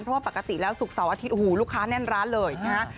เพราะว่าปกติแล้วสุขศาลอาทิตย์โอ๋ลูกค้าแน่นร้านเลยนะคะ